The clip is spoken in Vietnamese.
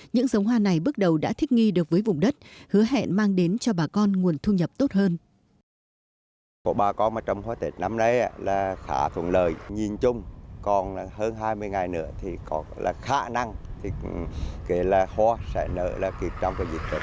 những giống hoa này bước đầu đã thích nghi được với vùng đất hứa hẹn mang đến cho bà con nguồn thu nhập tốt hơn